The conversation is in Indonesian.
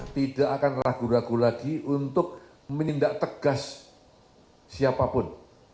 tidak akan ragu ragu lagi untuk menindak tegas siapapun